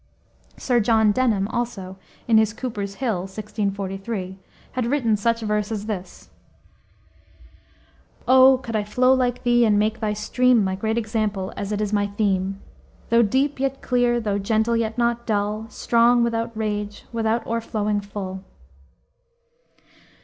Sir John Denham, also, in his Cooper's Hill, 1643, had written such verse as this: "O, could I flow like thee, and make thy stream My great example as it is my theme! Though deep yet clear, though gentle yet not dull, Strong without rage, without o'erflowing full."